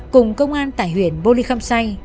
cùng công an tại huyện bô ly khâm say